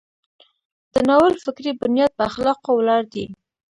د ناول فکري بنیاد په اخلاقو ولاړ دی.